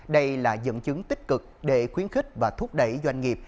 đây là dẫn chứng tích cực để khuyến khích và thúc đẩy doanh nghiệp